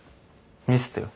見せてよ。